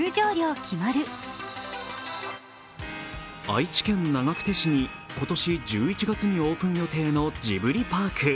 愛知県長久手市に今年１１月にオープン予定のジブリパーク。